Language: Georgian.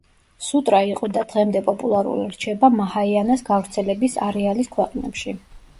სუტრა იყო და დღემდე პოპულარული რჩება მაჰაიანას გავრცელების არეალის ქვეყნებში.